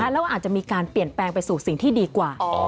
แล้วอาจจะมีการเปลี่ยนแปลงไปสู่สิ่งที่ดีกว่า